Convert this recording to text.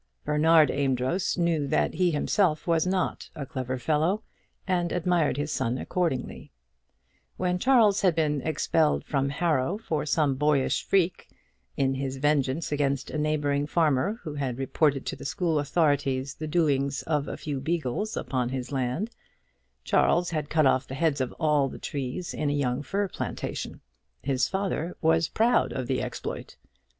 Bernard Amedroz knew that he himself was not a clever fellow, and admired his son accordingly; and when Charles had been expelled from Harrow for some boyish freak, in his vengeance against a neighbouring farmer, who had reported to the school authorities the doings of a few beagles upon his land, Charles had cut off the heads of all the trees in a young fir plantation, his father was proud of the exploit.